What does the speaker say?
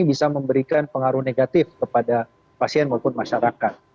bisa memberikan pengaruh negatif kepada pasien maupun masyarakat